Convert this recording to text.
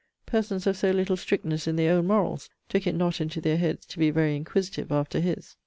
Persons of so little strictness in their own morals, took it not into their heads to be very inquisitive after his.